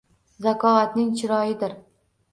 Zakovatning chiroyidir.